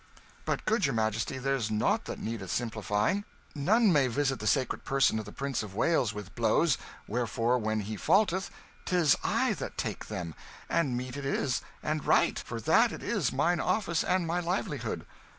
"But, good your Majesty, there's nought that needeth simplifying. None may visit the sacred person of the Prince of Wales with blows; wherefore, when he faulteth, 'tis I that take them; and meet it is and right, for that it is mine office and my livelihood."